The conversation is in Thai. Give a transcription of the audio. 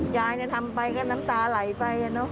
ยายทำไปก็น้ำตาไหลไป